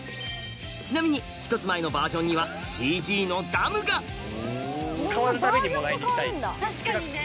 ちなみに一つ前のバージョンにはＣＧのダムが確かにね。